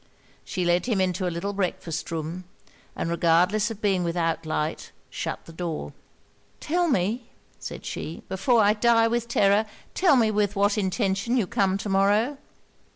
She led him into a little breakfast room; and regardless of being without light, shut the door. 'Tell me,' said she, 'before I die with terror tell me with what intention you come to morrow?'